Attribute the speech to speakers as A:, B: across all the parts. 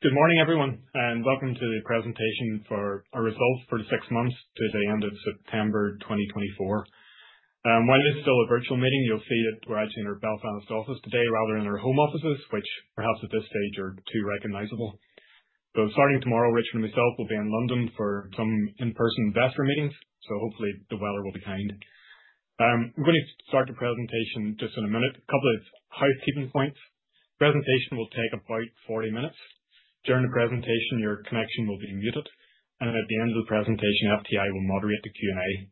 A: Good morning, everyone, and welcome to the presentation for our results for the six months to the end of September 2024. While it is still a virtual meeting, you'll see that we're actually in our Belfast office today, rather than our home offices, which perhaps at this stage are too recognizable. So starting tomorrow, Richard and myself will be in London for some in-person investor meetings, so hopefully the weather will be kind. We're going to start the presentation just in a minute. A couple of housekeeping points. The presentation will take about 40 minutes. During the presentation, your connection will be muted, and at the end of the presentation, FTI will moderate the Q&A.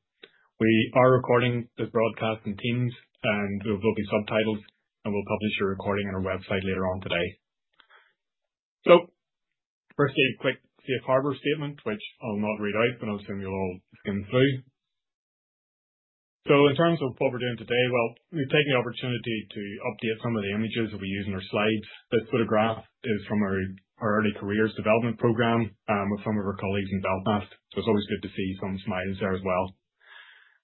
A: We are recording this broadcast in Teams, and it will be subtitled, and we'll publish your recording on our website later on today. First, a quick Safe Harbor Statement, which I'll not read out, but I'll assume you'll all skim through. In terms of what we're doing today, well, we've taken the opportunity to update some of the images that we use in our slides. This photograph is from our early careers development program with some of our colleagues in Belfast, so it's always good to see some smiles there as well.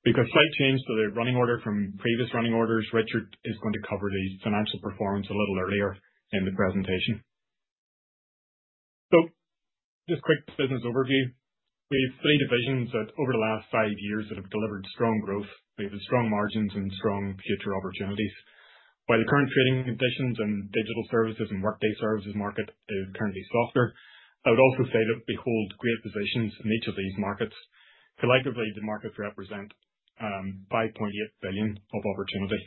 A: Because slight change to the running order from previous running orders, Richard is going to cover the financial performance a little earlier in the presentation. Just a quick business overview. We have three divisions that over the last five years have delivered strong growth. We have strong margins and strong future opportunities. While the current trading conditions and Digital Services and Workday Services market are currently softer, I would also say that we hold great positions in each of these markets. Collectively, the markets represent 5.8 billion of opportunity.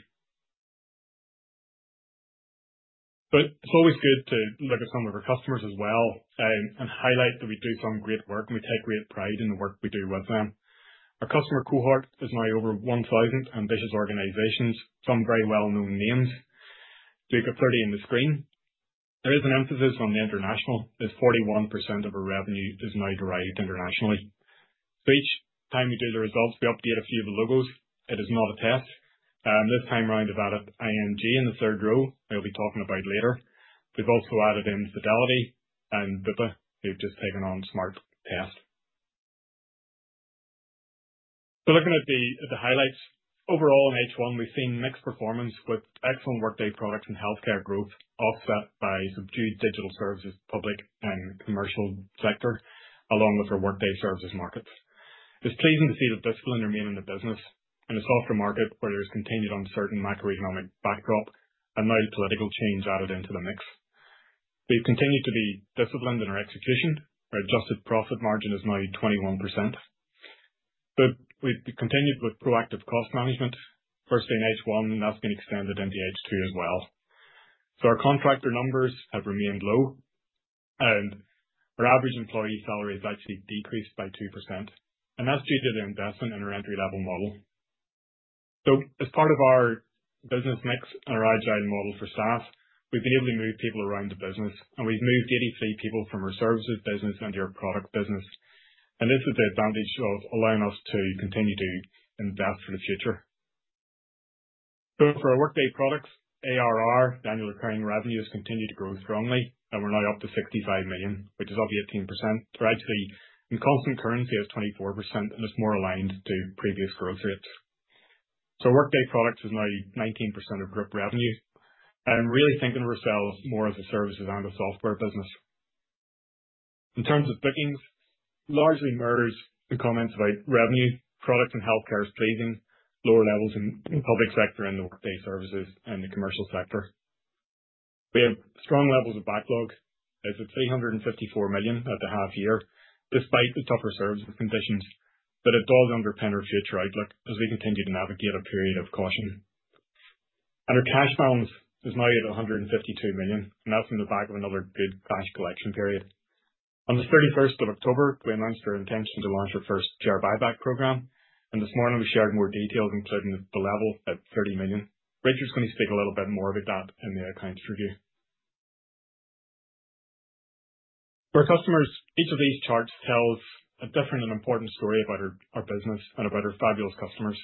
A: But it's always good to look at some of our customers as well and highlight that we do some great work, and we take great pride in the work we do with them. Our customer cohort is now over 1,000 ambitious organizations, some very well-known names. So you've got 30 on the screen. There is an emphasis on the international. 41% of our revenue is now derived internationally. So each time we do the results, we update a few of the logos. It is not a test. This time around, I've added ING in the third row, I'll be talking about later. We've also added in Fidelity and Bupa, who've just taken on Smart Test. So looking at the highlights, overall in H1, we've seen mixed performance with excellent Workday Products and healthcare growth offset by subdued Digital Services public and commercial sector, along with our Workday Services markets. It's pleasing to see that discipline remained in the business in a softer market where there's continued uncertain macroeconomic backdrop and now political change added into the mix. We've continued to be disciplined in our execution. Our adjusted profit margin is now 21%. But we've continued with proactive cost management, firstly in H1, and that's been extended into H2 as well. So our contractor numbers have remained low, and our average employee salary has actually decreased by 2%, and that's due to the investment in our entry-level model. As part of our business mix and our agile model for staff, we've been able to move people around the business, and we've moved 83 people from our services business into our product business. This is the advantage of allowing us to continue to invest for the future. For our Workday products, ARR, annual recurring revenue, has continued to grow strongly, and we're now up to 65 million, which is up 18%. Actually, in constant currency, it's 24%, and it's more aligned to previous growth rates. Workday products is now 19% of group revenue. I'm really thinking of ourselves more as a services and a software business. In terms of bookings, it largely mirrors the comments about revenue. Product and healthcare is pleasing. Lower levels in public sector and the Workday services and the commercial sector. We have strong levels of backlog. It's at 354 million at the half year, despite the tougher services conditions, but it does underpin our future outlook as we continue to navigate a period of caution. And our cash balance is now at 152 million, and that's in the back of another good cash collection period. On the 31st of October, we announced our intention to launch our first share buyback program, and this morning we shared more details, including the level at 30 million. Richard's going to speak a little bit more about that in the accounts review. For our customers, each of these charts tells a different and important story about our business and about our fabulous customers.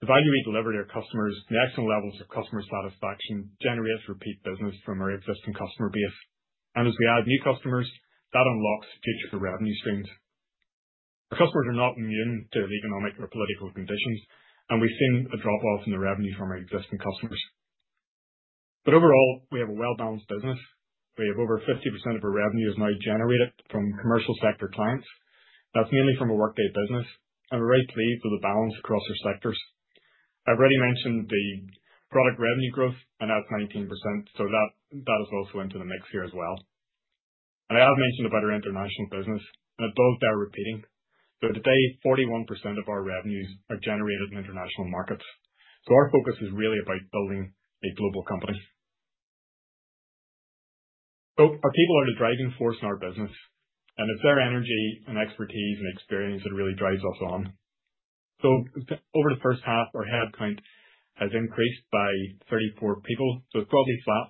A: The value we deliver to our customers, the excellent levels of customer satisfaction, generates repeat business from our existing customer base. And as we add new customers, that unlocks future revenue streams. Our customers are not immune to the economic or political conditions, and we've seen a drop-off in the revenue from our existing customers. But overall, we have a well-balanced business. We have over 50% of our revenue is now generated from commercial sector clients. That's mainly from our Workday business, and we're very pleased with the balance across our sectors. I've already mentioned the product revenue growth, and that's 19%, so that has also went to the mix here as well. And I have mentioned about our international business, and it does bear repeating. So today, 41% of our revenues are generated in international markets. So our focus is really about building a global company. So our people are the driving force in our business, and it's their energy and expertise and experience that really drives us on. So over the first half, our headcount has increased by 34 people, so it's probably flat,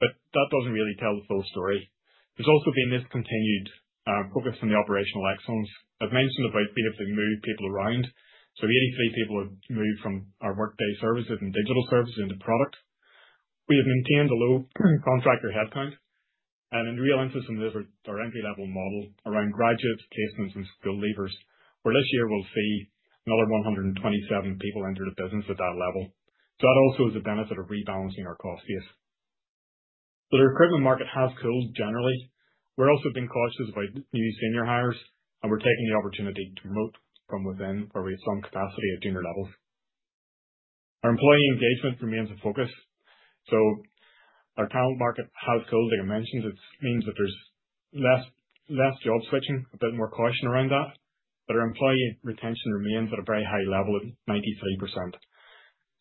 A: but that doesn't really tell the full story. There's also been this continued focus on the operational excellence. I've mentioned about being able to move people around. So 83 people have moved from our Workday services and Digital Services into product. We have maintained a low contractor headcount, and a real emphasis on this is our entry-level model around graduates, placements, and school leavers, where this year we'll see another 127 people enter the business at that level. So that also is a benefit of rebalancing our cost base. So the recruitment market has cooled generally. We're also being cautious about new senior hires, and we're taking the opportunity to promote from within where we have some capacity at junior levels. Our employee engagement remains a focus. Our talent market has cooled, like I mentioned. It means that there's less job switching, a bit more caution around that, but our employee retention remains at a very high level at 93%.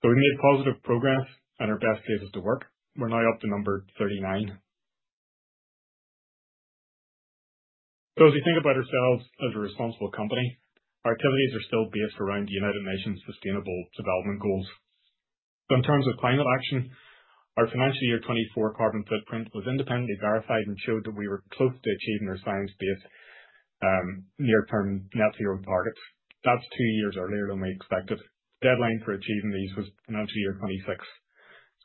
A: We've made positive progress and our best places to work. We're now up to number 39. As we think about ourselves as a responsible company, our activities are still based around the United Nations Sustainable Development Goals. In terms of climate action, our financial year 2024 carbon footprint was independently verified and showed that we were close to achieving our science-based near-term Net Zero targets. That's two years earlier than we expected. The deadline for achieving these was financial year 2026.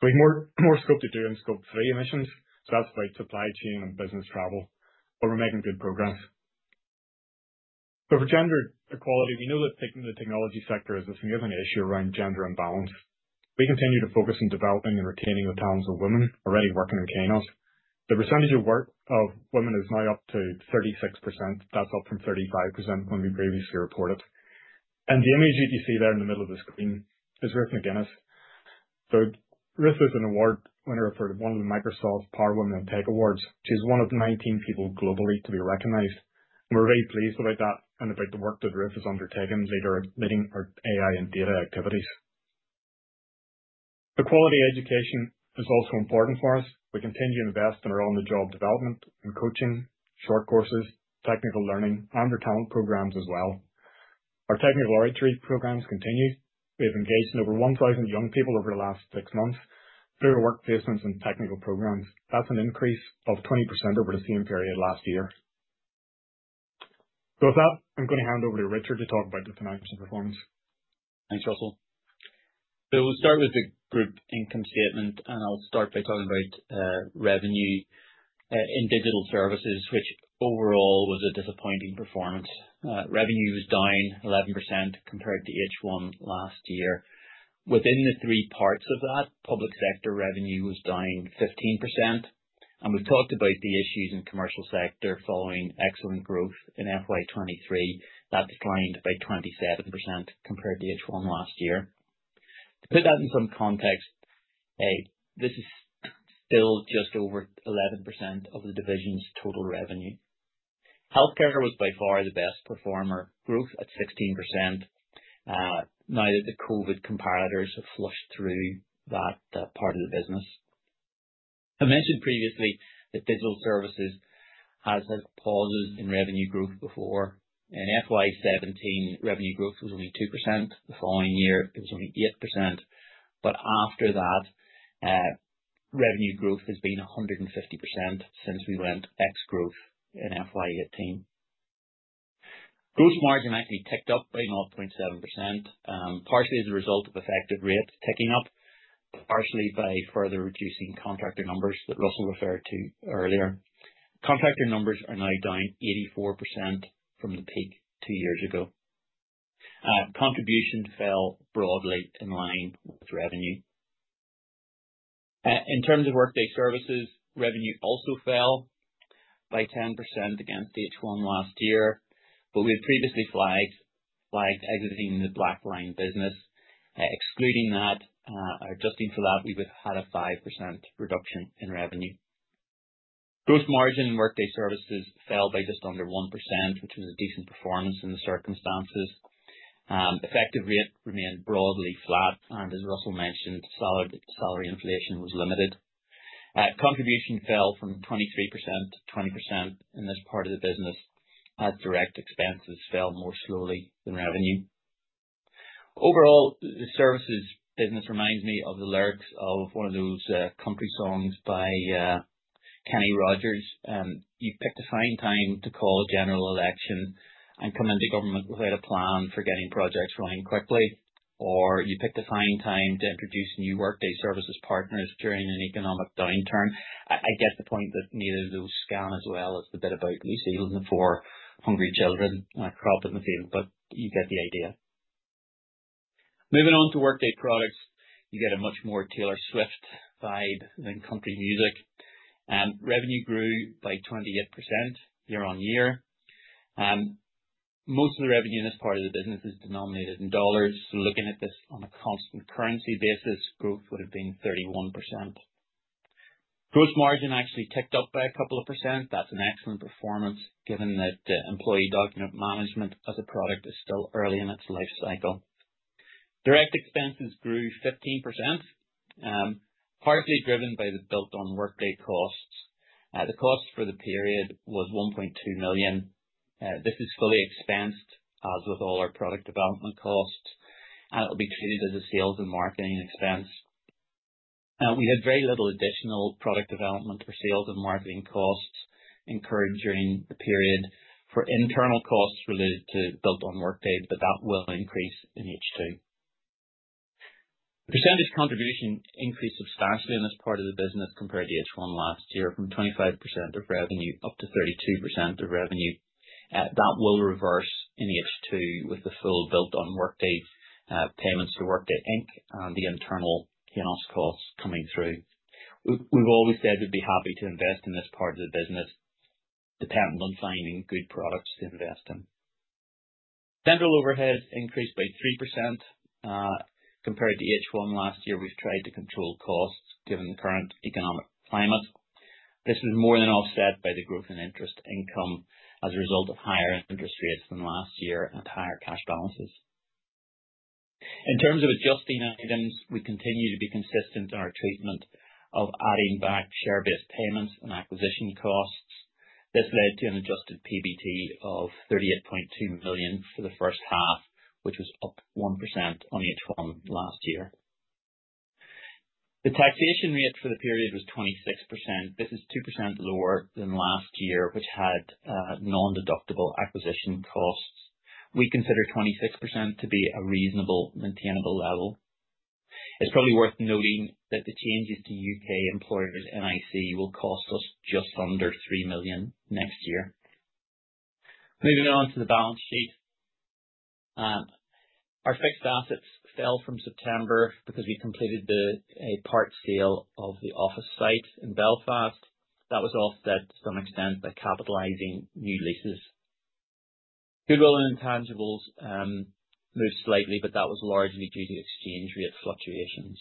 A: We have more scope to do in Scope 3 emissions, so that's about supply chain and business travel, but we're making good progress. For gender equality, we know that the technology sector is a significant issue around gender imbalance. We continue to focus on developing and retaining the talents of women already working in Kainos. The percentage of women is now up to 36%. That's up from 35% when we previously reported. The image you see there in the middle of the screen is Ruth McGuinness. Ruth is an award winner for one of the Microsoft Power Women in Tech Awards. She's one of 19 people globally to be recognized. We're very pleased about that and about the work that Ruth is undertaking leading our AI and data activities. The quality of education is also important for us. We continue to invest in our on-the-job development and coaching, short courses, technical learning, and our talent programs as well. Our technical academy programs continue. We have engaged over 1,000 young people over the last six months through our work placements and technical programs. That's an increase of 20% over the same period last year. So with that, I'm going to hand over to Richard to talk about the financial performance.
B: Thanks, Russell. So we'll start with the group income statement, and I'll start by talking about revenue in digital services, which overall was a disappointing performance. Revenue was down 11% compared to H1 last year. Within the three parts of that, public sector revenue was down 15%. And we've talked about the issues in commercial sector following excellent growth in FY23. That declined by 27% compared to H1 last year. To put that in some context, this is still just over 11% of the division's total revenue. Healthcare was by far the best performer, growth at 16%, now that the COVID comps have flushed through that part of the business. I mentioned previously that digital services has had pauses in revenue growth before. In FY17, revenue growth was only 2%. The following year, it was only 8%. But after that, revenue growth has been 150% since we went ex-growth in FY18. Gross margin actually ticked up by 0.7%, partially as a result of effective rates ticking up, partially by further reducing contractor numbers that Russell referred to earlier. Contractor numbers are now down 84% from the peak two years ago. Contribution fell broadly in line with revenue. In terms of Workday services, revenue also fell by 10% against H1 last year, but we had previously flagged exiting the BlackLine business. Excluding that, or adjusting for that, we would have had a 5% reduction in revenue. Gross margin in Workday services fell by just under 1%, which was a decent performance in the circumstances. Effective rate remained broadly flat, and as Russell mentioned, salary inflation was limited. Contribution fell from 23% to 20% in this part of the business, as direct expenses fell more slowly than revenue. Overall, the services business reminds me of the lyrics of one of those country songs by Kenny Rogers. You picked a fine time to call a general election and come into government without a plan for getting projects running quickly, or you picked a fine time to introduce new Workday services partners during an economic downturn. I get the point that neither of those scan as well as the bit about Lucille and the four hungry children cropping the field, but you get the idea. Moving on to Workday products, you get a much more Taylor Swift vibe than country music. Revenue grew by 28% year on year. Most of the revenue in this part of the business is denominated in dollars, so looking at this on a constant currency basis, growth would have been 31%. Gross margin actually ticked up by a couple of %. That's an excellent performance given that employee document management as a product is still early in its life cycle. Direct expenses grew 15%, partially driven by the Build on Workday costs. The cost for the period was 1.2 million. This is fully expensed, as with all our product development costs, and it will be treated as a sales and marketing expense. We had very little additional product development or sales and marketing costs incurred during the period for internal costs related to Build on Workday, but that will increase in H2. The percentage contribution increased substantially in this part of the business compared to H1 last year, from 25% of revenue up to 32% of revenue. That will reverse in H2 with the full Build on Workday payments to Workday Inc and the internal Kainos costs coming through. We've always said we'd be happy to invest in this part of the business, dependent on finding good products to invest in. General overhead increased by 3%. Compared to H1 last year, we've tried to control costs given the current economic climate. This was more than offset by the growth in interest income as a result of higher interest rates than last year and higher cash balances. In terms of adjusting items, we continue to be consistent in our treatment of adding back share-based payments and acquisition costs. This led to an adjusted PBT of 38.2 million for the first half, which was up 1% on H1 last year. The taxation rate for the period was 26%. This is 2% lower than last year, which had non-deductible acquisition costs. We consider 26% to be a reasonable, maintainable level. It's probably worth noting that the changes to U.K. employers' NIC will cost us just under 3 million next year. Moving on to the balance sheet. Our fixed assets fell from September because we completed a part sale of the office site in Belfast. That was offset to some extent by capitalizing new leases. Goodwill and intangibles moved slightly, but that was largely due to exchange rate fluctuations.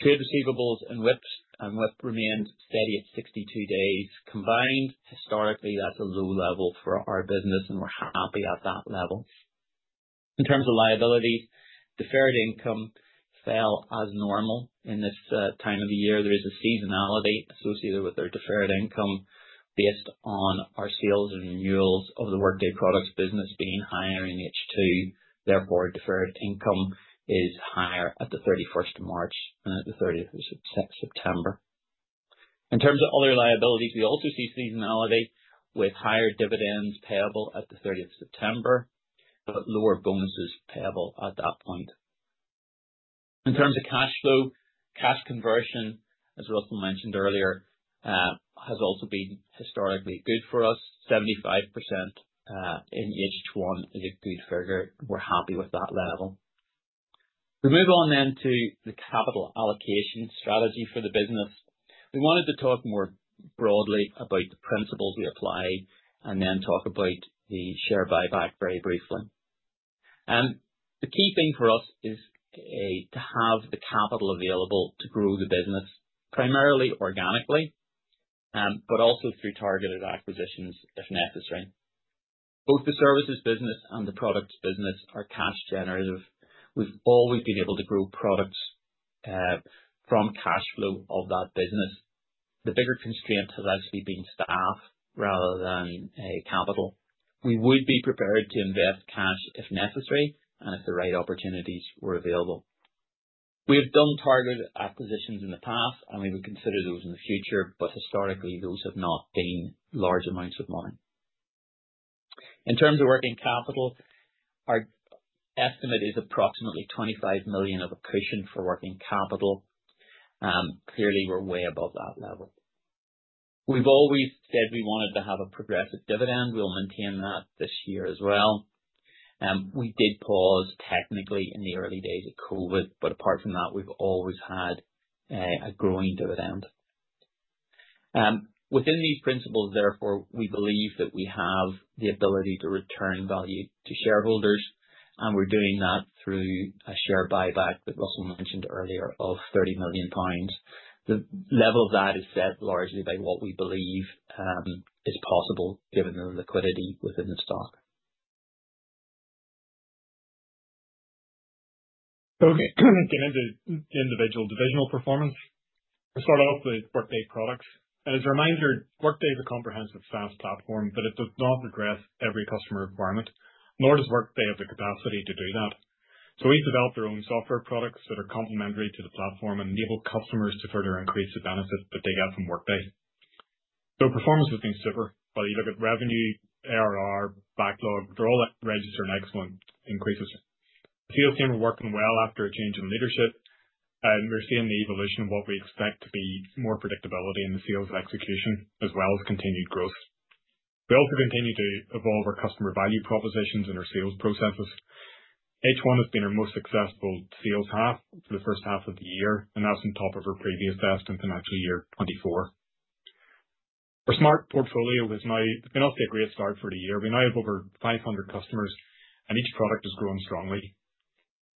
B: Trade receivables and WIP remained steady at 62 days. Combined, historically, that's a low level for our business, and we're happy at that level. In terms of liabilities, deferred income fell as normal in this time of the year. There is a seasonality associated with our deferred income based on our sales and renewals of the Workday products business being higher in H2. Therefore, deferred income is higher at the 31st of March and at the 30th of September. In terms of other liabilities, we also see seasonality with higher dividends payable at the 30th of September, but lower bonuses payable at that point. In terms of cash flow, cash conversion, as Russell mentioned earlier, has also been historically good for us. 75% in H1 is a good figure. We're happy with that level. We move on then to the capital allocation strategy for the business. We wanted to talk more broadly about the principles we apply and then talk about the share buyback very briefly. The key thing for us is to have the capital available to grow the business, primarily organically, but also through targeted acquisitions if necessary. Both the services business and the products business are cash generative. We've always been able to grow products from cash flow of that business. The bigger constraint has actually been staff rather than capital. We would be prepared to invest cash if necessary and if the right opportunities were available. We have done targeted acquisitions in the past, and we would consider those in the future, but historically, those have not been large amounts of money. In terms of working capital, our estimate is approximately 25 million of a cushion for working capital. Clearly, we're way above that level. We've always said we wanted to have a progressive dividend. We'll maintain that this year as well. We did pause technically in the early days of COVID, but apart from that, we've always had a growing dividend. Within these principles, therefore, we believe that we have the ability to return value to shareholders, and we're doing that through a share buyback that Russell mentioned earlier of 30 million pounds. The level of that is set largely by what we believe is possible given the liquidity within the stock.
A: Okay. Get into individual divisional performance. We'll start off with Workday Products, and as a reminder, Workday is a comprehensive SaaS platform, but it does not address every customer requirement, nor does Workday have the capacity to do that, so we've developed our own software products that are complementary to the platform and enable customers to further increase the benefits that they get from Workday. The performance has been super, whether you look at revenue, ARR, backlog, they're all registered in excellent increases. The sales team are working well after a change in leadership, and we're seeing the evolution of what we expect to be more predictability in the sales execution as well as continued growth. We also continue to evolve our customer value propositions and our sales processes. H1 has been our most successful sales half for the first half of the year, and that's on top of our previous best in financial year 2024. Our Smart portfolio has now been honestly a great start for the year. We now have over 500 customers, and each product has grown strongly.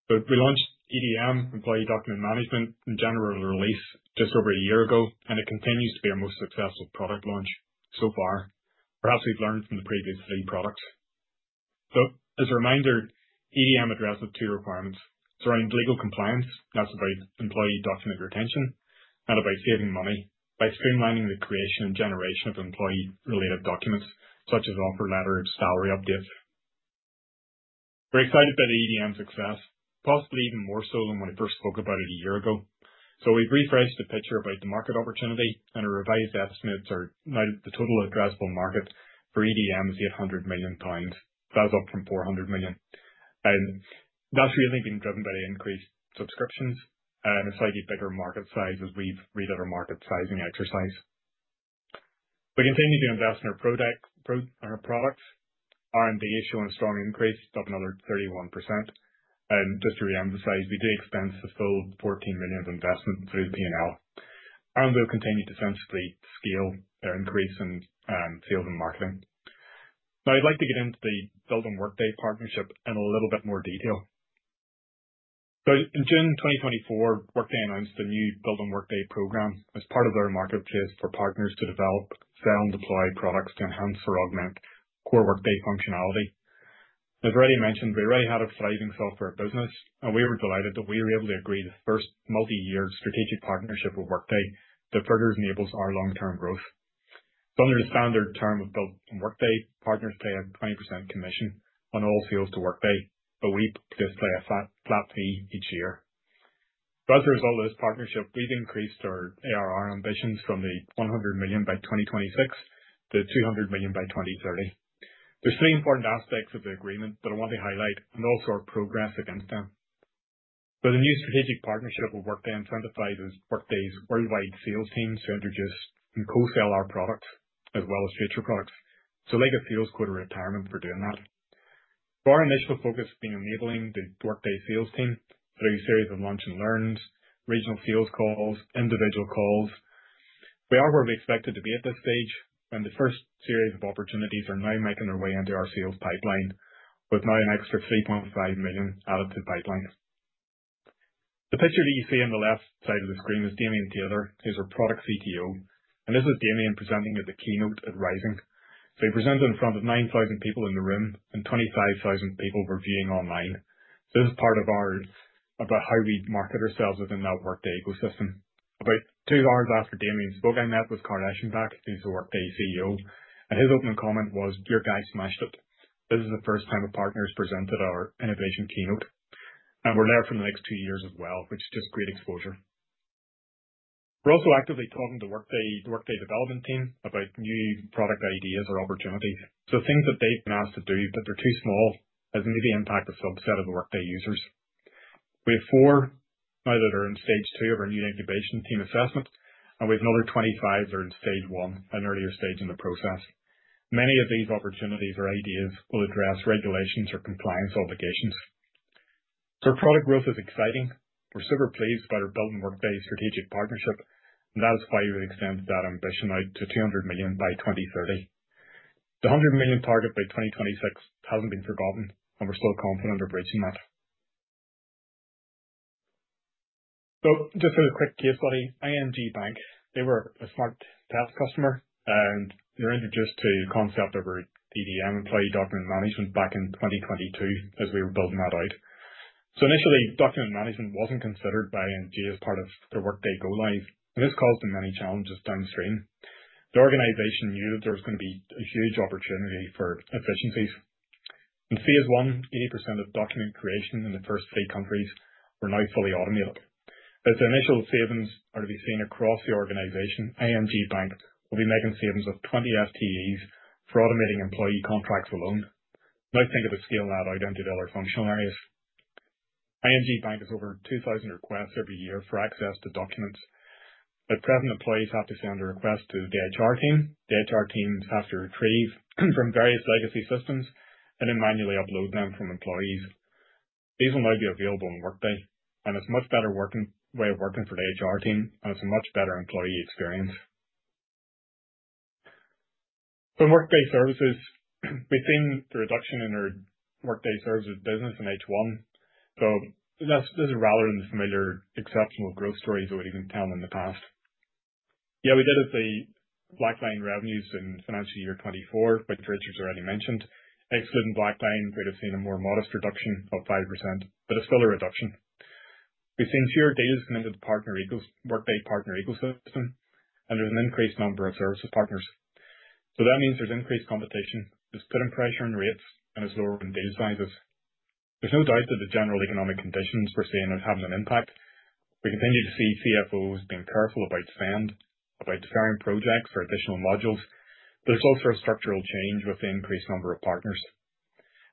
A: But we launched EDM, Employee Document Management, in general release just over a year ago, and it continues to be our most successful product launch so far. Perhaps we've learned from the previous three products. So as a reminder, EDM addresses two requirements. It's around legal compliance. That's about employee document retention and about saving money by streamlining the creation and generation of employee-related documents, such as offer letters, salary updates. We're excited by the EDM success, possibly even more so than when we first spoke about it a year ago. We've refreshed the picture about the market opportunity, and our revised estimates are now the total addressable market for EDM is £800 million. That's up from £400 million. That's really been driven by the increased subscriptions and a slightly bigger market size as we've redone our market sizing exercise. We continue to invest in our products. R&D is showing a strong increase of another 31%. Just to re-emphasize, we did expense the full 14 million of investment through the P&L. We'll continue to sensibly scale our increase in sales and marketing. Now, I'd like to get into the Build on Workday partnership in a little bit more detail. In June 2024, Workday announced a new Build on Workday program as part of their marketplace for partners to develop, sell, and deploy products to enhance or augment core Workday functionality. As already mentioned, we already had a thriving software business, and we were delighted that we were able to agree to the first multi-year strategic partnership with Workday that further enables our long-term growth. Under the standard term of Build on Workday, partners pay a 20% commission on all sales to Workday, but we display a flat fee each year. As a result of this partnership, we've increased our ARR ambitions from 100 million by 2026 to 200 million by 2030. There are three important aspects of the agreement that I want to highlight and also our progress against them. So the new strategic partnership with Workday incentivizes Workday's worldwide sales teams to introduce and co-sell our products as well as future products. So legal sales quit our retirement for doing that. Our initial focus has been enabling the Workday sales team through a series of lunch and learns, regional sales calls, individual calls. We are where we expected to be at this stage, and the first series of opportunities are now making their way into our sales pipeline with now an extra 3.5 million added to the pipeline. The picture that you see on the left side of the screen is Damien Taylor, who's our Product CTO. And this is Damien presenting at the keynote at Rising. So he presented in front of 9,000 people in the room, and 25,000 people were viewing online. So this is part of our about how we market ourselves within that Workday ecosystem. About two hours after Damien spoke, I met with Carl Eschenbach, who's the Workday CEO, and his opening comment was, "Your guy smashed it." This is the first time a partner has presented our innovation keynote, and we're there for the next two years as well, which is just great exposure. We're also actively talking to the Workday development team about new product ideas or opportunities. So things that they've been asked to do but they're too small has maybe impacted a subset of the Workday users. We have four now that are in stage two of our new incubation team assessment, and we have another 25 that are in stage one, an earlier stage in the process. Many of these opportunities or ideas will address regulations or compliance obligations. So our product growth is exciting. We're super pleased about our Build on Workday strategic partnership, and that is why we've extended that ambition out to 200 million by 2030. The 100 million target by 2026 hasn't been forgotten, and we're still confident of reaching that. So just as a quick case study, ING Bank, they were a Smart Test customer, and they were introduced to the concept of our EDM, Employee Document Management, back in 2022 as we were building that out. So initially, document management wasn't considered by ING as part of their Workday go-live, and this caused them many challenges downstream. The organization knew that there was going to be a huge opportunity for efficiencies. In phase one, 80% of document creation in the first three countries were now fully automated. As the initial savings are to be seen across the organization, ING Bank will be making savings of 20 FTEs for automating employee contracts alone. Now think of the scale of that out into other functional areas. ING Bank has over 2,000 requests every year for access to documents. The present employees have to send a request to the HR team. The HR teams have to retrieve from various legacy systems and then manually upload them from employees. These will now be available on Workday, and it's a much better way of working for the HR team, and it's a much better employee experience. On Workday services, we've seen the reduction in our Workday services business in H1, so this is rather in the familiar exceptional growth stories that we've been telling in the past. Yeah, we did have the BlackLine revenues in financial year 2024, which Richard's already mentioned. Excluding BlackLine, we'd have seen a more modest reduction of 5%, but it's still a reduction. We've seen fewer deals coming into the Workday partner ecosystem, and there's an increased number of services partners. So that means there's increased competition. It's putting pressure on rates, and it's lowering deal sizes. There's no doubt that the general economic conditions we're seeing are having an impact. We continue to see CFOs being careful about spend, about deferring projects or additional modules, but there's also a structural change with the increased number of partners.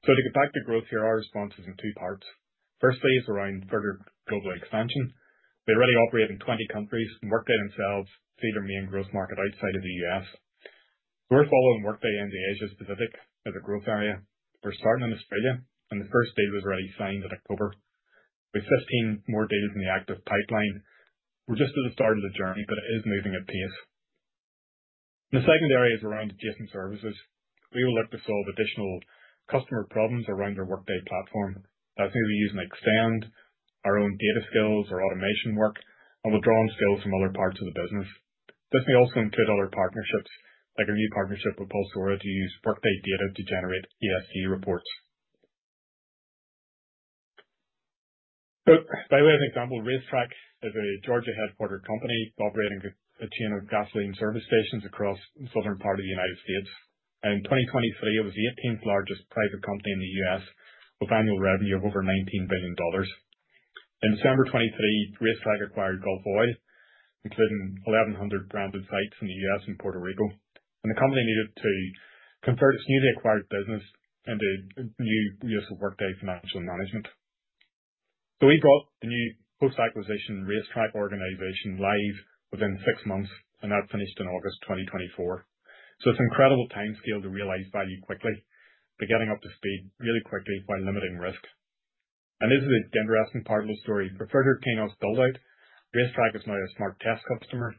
A: So to get back to growth here, our response is in two parts. Firstly is around further global expansion. We're already operating 20 countries, and Workday themselves see their main growth market outside of the U.S. We're following Workday in the Asia-Pacific as a growth area. We're starting in Australia, and the first deal was already signed in October. We have 15 more deals in the active pipeline. We're just at the start of the journey, but it is moving at pace. The second area is around adjacent services. We will look to solve additional customer problems around our Workday platform. That's maybe using Extend, our own data skills, or automation work, and we'll draw on skills from other parts of the business. This may also include other partnerships, like a new partnership with Pulsora to use Workday data to generate ESG reports. By way of example, RaceTrac is a Georgia-headquartered company operating a chain of gasoline service stations across the southern part of the United States. In 2023, it was the 18th largest private company in the U.S. with annual revenue of over $19 billion. In December 2023, RaceTrac acquired Gulf Oil, including 1,100 branded sites in the U.S. and Puerto Rico, and the company needed to convert its newly acquired business into new use of Workday Financial Management, so we brought the new post-acquisition RaceTrac organization live within six months, and that finished in August 2024, so it's an incredible time scale to realize value quickly, but getting up to speed really quickly while limiting risk, and this is the interesting part of the story. For further Workday build-out, RaceTrac is now a Smart Test customer.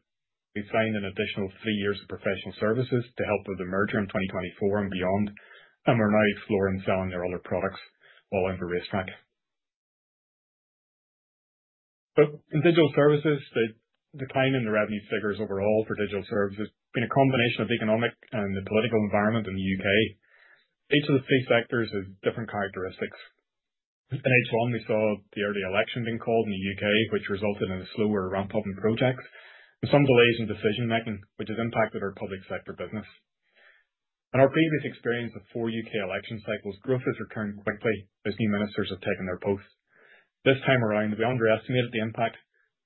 A: We've signed an additional three years of professional services to help with the merger in 2024 and beyond, and we're now exploring selling their other products while under RaceTrac, so in Digital Services, the decline in the revenue figures overall for Digital Services has been a combination of the economic and the political environment in the U.K. Each of the three sectors has different characteristics. In H1, we saw the early election being called in the U.K., which resulted in a slower ramp-up in projects and some delays in decision-making, which has impacted our public sector business. In our previous experience of four U.K. election cycles, growth has returned quickly as new ministers have taken their posts. This time around, we underestimated the impact,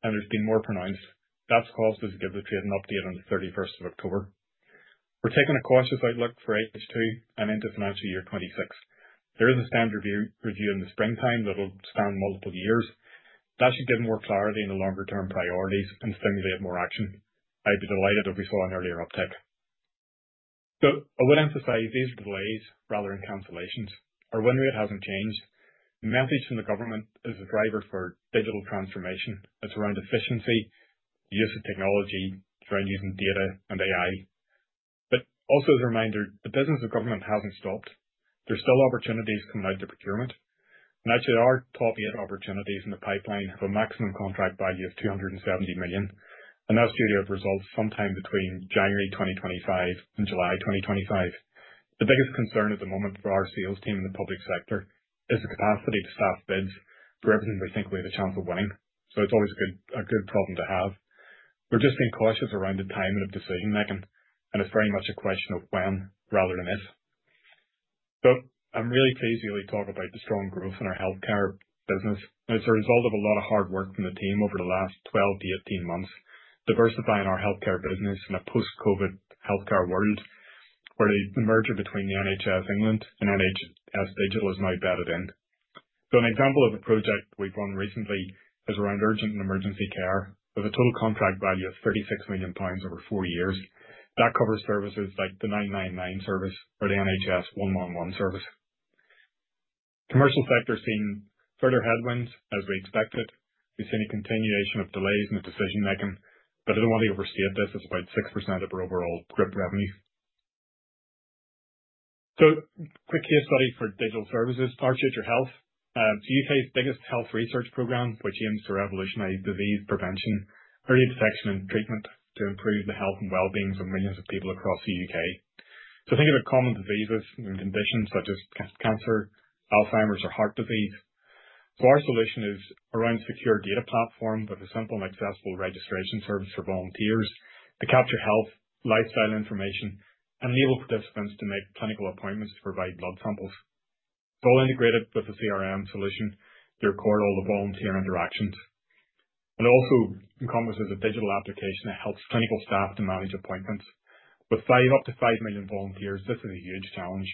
A: and there's been more pronounced. That's caused us to give the trade an update on the 31st of October. We're taking a cautious outlook for H2 and into financial year 2026. There is a standard review in the springtime that'll span multiple years. That should give more clarity in the longer-term priorities and stimulate more action. I'd be delighted if we saw an earlier uptick. So I would emphasize these are delays rather than cancellations. Our win rate hasn't changed. The message from the government is a driver for digital transformation. It's around efficiency, the use of technology, around using data and AI, but also as a reminder, the business of government hasn't stopped. There's still opportunities coming out of procurement, and actually, our top eight opportunities in the pipeline have a maximum contract value of 270 million, and that's due to results sometime between January 2025 and July 2025. The biggest concern at the moment for our sales team in the public sector is the capacity to staff bids for everything we think we have a chance of winning, so it's always a good problem to have. We're just being cautious around the timing of decision-making, and it's very much a question of when rather than if, so I'm really pleased to really talk about the strong growth in our healthcare business. It's a result of a lot of hard work from the team over the last 12-18 months, diversifying our healthcare business in a post-COVID healthcare world where the merger between the NHS England and NHS Digital has now bedded in. An example of a project we've run recently is around urgent and emergency care with a total contract value of 36 million pounds over four years. That covers services like the 999 service or the NHS 111 service. Commercial sector has seen further headwinds as we expected. We've seen a continuation of delays in the decision-making, but I don't want to overstate this as about 6% of our overall group revenue. Quick case study for digital services. Our Future Health, the U.K.'s biggest health research program, which aims to revolutionize disease prevention, early detection, and treatment to improve the health and well-being of millions of people across the U.K. So think of it as common diseases and conditions such as cancer, Alzheimer's, or heart disease. So our solution is around a secure data platform with a simple and accessible registration service for volunteers to capture health, lifestyle information, and enable participants to make clinical appointments to provide blood samples. It's all integrated with a CRM solution to record all the volunteer interactions. It also encompasses a digital application that helps clinical staff to manage appointments. With up to five million volunteers, this is a huge challenge.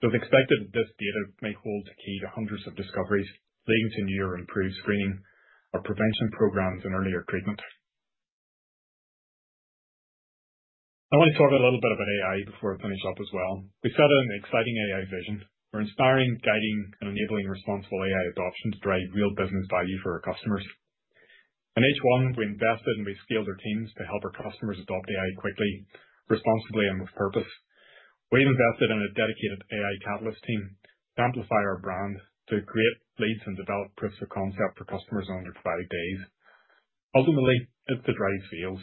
A: So it's expected that this data may hold the key to hundreds of discoveries leading to newer improved screening or prevention programs and earlier treatment. I want to talk a little bit about AI before I finish up as well. We set an exciting AI vision. We're inspiring, guiding, and enabling responsible AI adoption to drive real business value for our customers. In H1, we invested and we scaled our teams to help our customers adopt AI quickly, responsibly, and with purpose. We've invested in a dedicated AI catalyst team to amplify our brand, to create leads and develop proofs of concept for customers on their Workday's. Ultimately, it's to drive sales.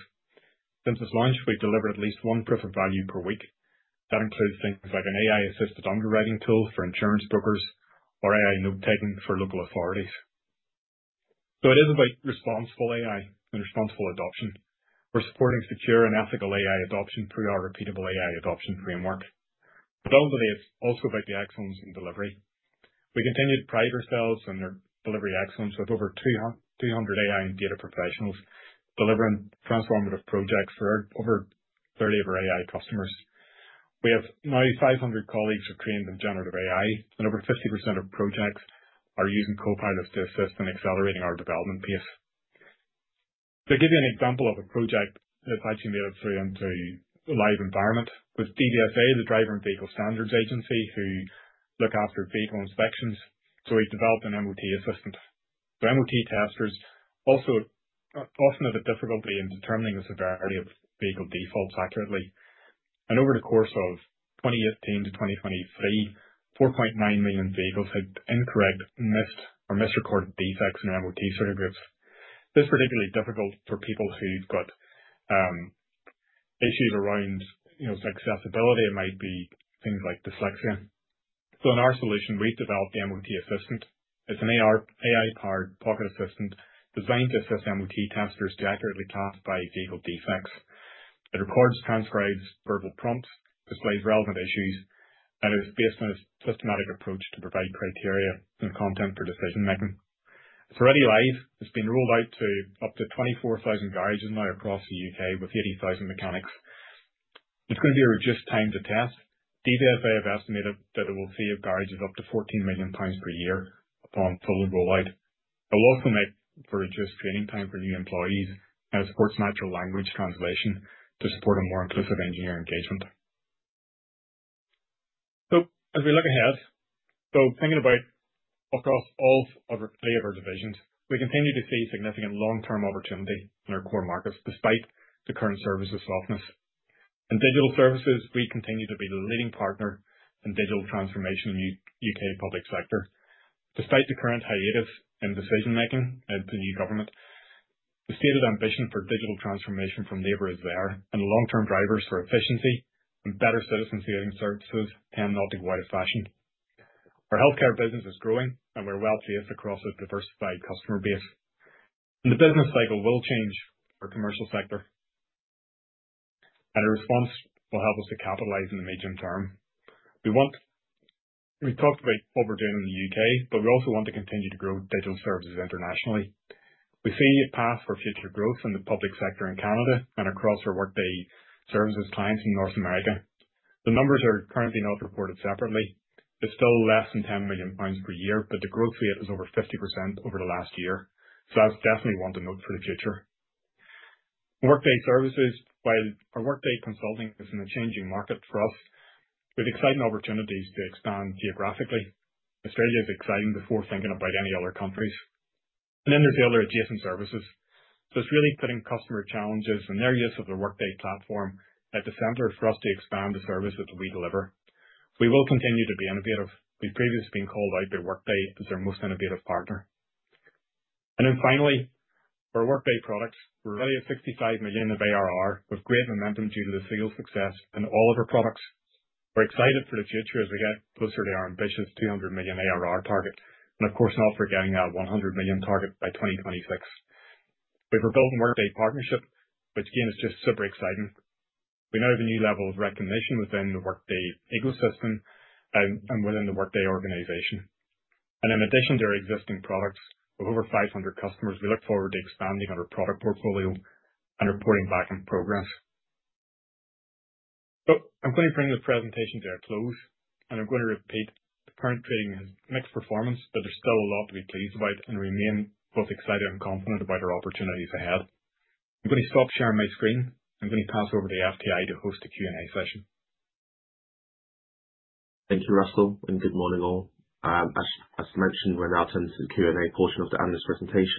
A: Since its launch, we've delivered at least one proof of value per week. That includes things like an AI-assisted underwriting tool for insurance brokers or AI note-taking for local authorities. So it is about responsible AI and responsible adoption. We're supporting secure and ethical AI adoption through our repeatable AI adoption framework. But ultimately, it's also about the excellence in delivery. We continue to pride ourselves on our delivery excellence with over 200 AI and data professionals delivering transformative projects for over 30 of our AI customers. We have now 500 colleagues who are trained in generative AI, and over 50% of projects are using Copilot to assist in accelerating our development pace. To give you an example of a project that's actually made it through into a live environment, with DVSA, the Driver and Vehicle Standards Agency, who look after vehicle inspections, so we've developed an MOT assistant, so MOT testers also often have a difficulty in determining the severity of vehicle defects accurately, and over the course of 2018 to 2023, 4.9 million vehicles had incorrect, missed, or misrecorded defects in MOT certificate groups. This is particularly difficult for people who've got issues around, you know, accessibility. It might be things like dyslexia. So in our solution, we've developed the MOT Assistant. It's an AI-powered pocket assistant designed to assist MOT testers to accurately classify vehicle defects. It records, transcribes verbal prompts, displays relevant issues, and is based on a systematic approach to provide criteria and content for decision-making. It's already live. It's been rolled out to up to 24,000 garages now across the UK with 80,000 mechanics. It's going to be a reduced time to test. DVSA have estimated that it will save garages up to 14 million pounds per year upon full rollout. It will also make for reduced training time for new employees and supports natural language translation to support a more inclusive engineer engagement. So as we look ahead, so thinking about across all of our divisions, we continue to see significant long-term opportunity in our core markets despite the current services softness. In digital services, we continue to be the leading partner in digital transformation in the U.K. public sector. Despite the current hiatus in decision-making and the new government, the stated ambition for digital transformation from Labour is there, and long-term drivers for efficiency and better citizen-saving services tend not to go out of fashion. Our healthcare business is growing, and we're well placed across a diversified customer base. And the business cycle will change for the commercial sector. And our response will help us to capitalize in the medium term. We want—we've talked about what we're doing in the U.K., but we also want to continue to grow digital services internationally. We see a path for future growth in the public sector in Canada and across our Workday services clients in North America. The numbers are currently not reported separately. It's still less than £10 million per year, but the growth rate is over 50% over the last year, so that's definitely one to note for the future. Workday services, while our Workday consulting is in a changing market for us, with exciting opportunities to expand geographically. Australia is exciting before thinking about any other countries, and then there's the other adjacent services. So it's really putting customer challenges and their use of the Workday platform at the center for us to expand the services that we deliver. We will continue to be innovative. We've previously been called out by Workday as our most innovative partner, and then finally, our Workday products. We're already at £65 million of ARR with great momentum due to the sales success in all of our products. We're excited for the future as we get closer to our ambitious £200 million ARR target. Of course, not forgetting our £100 million target by 2026. We've rebuilt the Workday partnership, which again is just super exciting. We now have a new level of recognition within the Workday ecosystem and within the Workday organization. In addition to our existing products with over 500 customers, we look forward to expanding our product portfolio and reporting back on programs. I'm going to bring the presentation to a close, and I'm going to repeat the current trading has mixed performance, but there's still a lot to be pleased about and remain both excited and confident about our opportunities ahead. I'm going to stop sharing my screen. I'm going to pass over to the FTI to host a Q&A session.
C: Thank you, Russell, and good morning all. As mentioned, we're now attending to the Q&A portion of the analyst presentation.